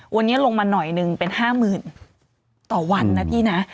วันนี้ลงมาหน่อยหนึ่งเป็น๕๐๐๐ต่อวันนะพี่นะ